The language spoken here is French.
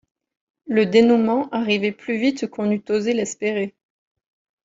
Le dénouement arrivait plus vite qu’on n’eût osé l’espérer.